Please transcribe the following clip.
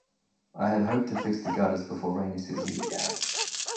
I had hoped to fix the gutters before rainy season began.